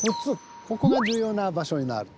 ここが重要な場所になる。